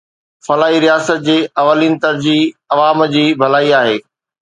فلاحي رياست جي اولين ترجيح عوام جي ڀلائي آهي